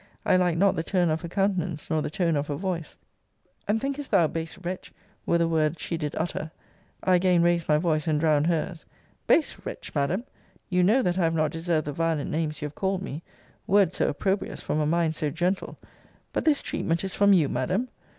I liked not the turn of her countenance, nor the tone of her voice 'And thinkest thou, base wretch,' were the words she did utter: I again raised my voice, and drowned her's. Base wretch, Madam? You know that I have not deserved the violent names you have called me. Words so opprobrious from a mind so gentle! But this treatment is from you, Madam?